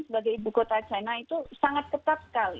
sebagai ibu kota china itu sangat ketat sekali